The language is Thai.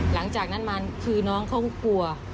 หลังจากนั้นมาคือน้องเขาก็กลัว